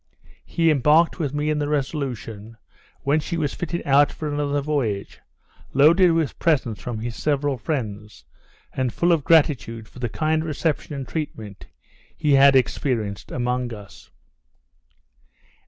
He embarked with me in the Resolution, when she was fitted out for another voyage, loaded with presents from his several friends, and full of gratitude for the kind reception and treatment he had experienced among us.